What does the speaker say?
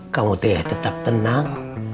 kamu teh tetap tenang